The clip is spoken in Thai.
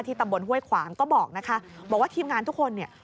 ตำบลห้วยขวางก็บอกนะคะบอกว่าทีมงานทุกคนเนี่ย